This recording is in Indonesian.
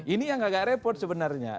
ini yang agak repot sebenarnya